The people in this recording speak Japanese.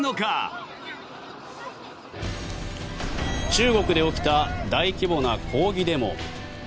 中国で起きた大規模な抗議デモ。